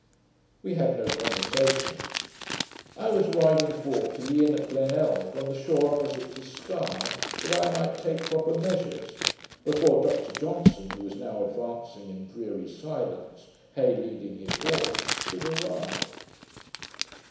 We had no conversation. I was riding forward to the inn at Glenelg, on the shore opposite to Sky, that I might take proper measures, before Dr Johnson, who was now advancing in dreary silence, Hay leading his horse, should arrive.